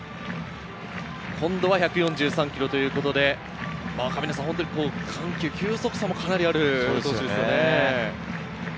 今度は１４３キロということで、球速差もかなりありますね。